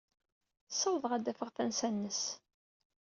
Ssawḍeɣ ad d-afeɣ tansa-nnes.